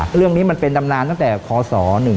ซึ่งนี้มันเป็นดำนานตั้งแต่คศ๑๘๙๕